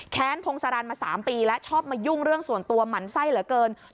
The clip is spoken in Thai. พงศาลันมา๓ปีแล้วชอบมายุ่งเรื่องส่วนตัวหมั่นไส้เหลือเกิน